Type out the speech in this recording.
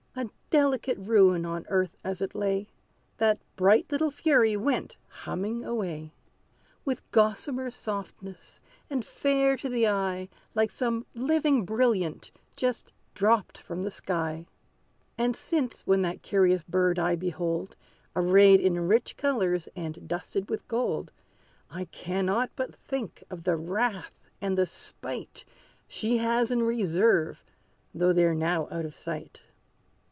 A delicate ruin, on earth as it lay, That bright little fury went, humming, away, With gossamer softness, and fair to the eye, Like some living brilliant, just dropped from the sky. And since, when that curious bird I behold Arrayed in rich colors, and dusted with gold, I cannot but think of the wrath and the spite She has in reserve, though they're now out of sight.